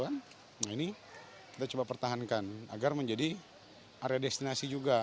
nah ini kita coba pertahankan agar menjadi area destinasi juga